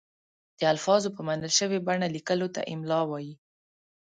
د الفاظو په منل شوې بڼه لیکلو ته املاء وايي.